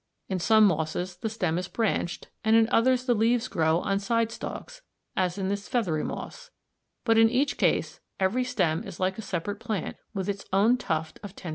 33); in some mosses the stem is branched, and in others the leaves grow on side stalks, as in this feathery moss (Fig. 32). But in each case every stem is like a separate plant, with its own tuft of tender roots r. [Illustration: Fig.